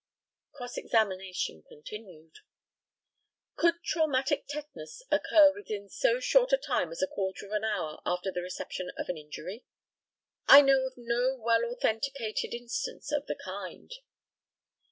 Cross examination continued; Could traumatic tetanus occur within so short a time as a quarter of an hour after the reception of an injury? I know of no well authenticated instance of the kind.